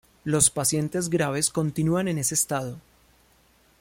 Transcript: Los pacientes graves continúan en ese estado.